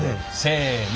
せの。